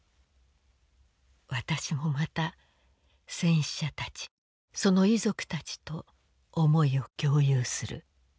私もまた戦死者たちその遺族たちと思いを共有する。